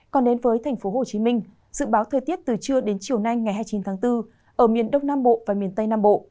còn đến với tp hcm dự báo thời tiết từ trưa đến chiều nay ngày hai mươi chín tháng bốn ở miền đông nam bộ và miền tây nam bộ